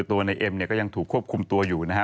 ตัวนายเอ็มก็ยังถูกควบคุมตัวอยู่นะฮะ